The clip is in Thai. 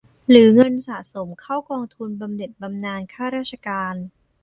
หรือเงินสะสมเข้ากองทุนบำเหน็จบำนาญข้าราชการ